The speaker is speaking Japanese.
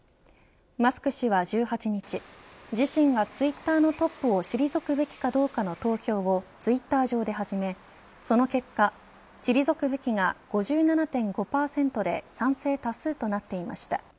マスク氏は１８日自身がツイッターのトップを退くべきかどうかの投票をツイッター上で始め、その結果退くべきが５７．５％で賛成多数となっていました。